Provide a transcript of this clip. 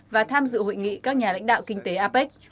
và tham dự hội nghị các nhà lãnh đạo kinh tế apec